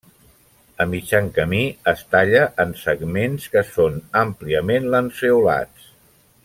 A mitjan camí es talla en segments que són àmpliament lanceolats.